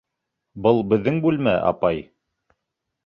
Был беҙҙең бүлмә, апай.